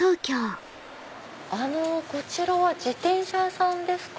こちらは自転車屋さんですか？